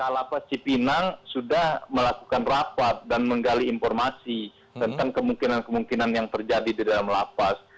lapas cipinang sudah melakukan rapat dan menggali informasi tentang kemungkinan kemungkinan yang terjadi di dalam lapas